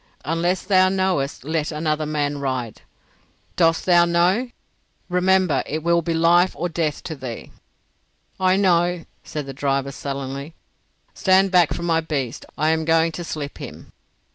"Unless thou knowest let another man ride. Dost thou know? Remember it will be life or death to thee." "I know," said the driver, sullenly. "Stand back from my beast. I am going to slip him."